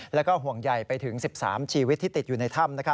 แล้วก็ห่วงใหญ่ไปถึง๑๓ชีวิตที่ติดอยู่ในถ้ำ